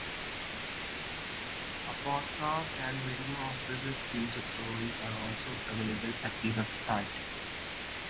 A podcast and videos of previously featured stories are also available at the website.